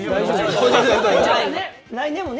来年もね。